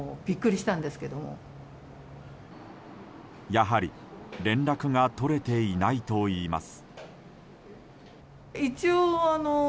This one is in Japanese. やはり連絡が取れていないといいます。